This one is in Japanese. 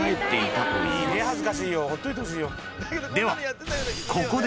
［ではここで］